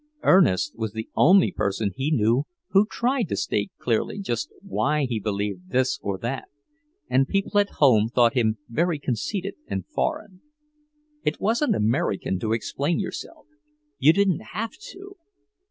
Ernest was the only person he knew who tried to state clearly just why he believed this or that; and people at home thought him very conceited and foreign. It wasn't American to explain yourself; you didn't have to!